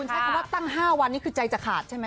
ใช้คำว่าตั้ง๕วันนี้คือใจจะขาดใช่ไหม